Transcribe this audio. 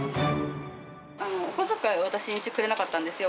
お小遣いを私んち、くれなかったんですよ。